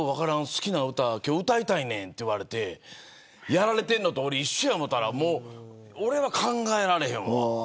好きな歌歌いたいねんと言われてやられてるのと一緒やと思ったら俺は考えられへん。